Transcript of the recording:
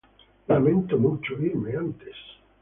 Lamento mucho irme antes.